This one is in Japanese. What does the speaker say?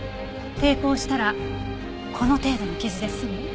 抵抗したらこの程度の傷で済む？